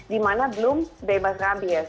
di mana belum bebas rabies